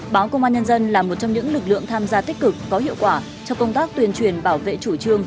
báo công an nhân dân là một trong những lực lượng tham gia tích cực có hiệu quả trong công tác tuyên truyền bảo vệ chủ trương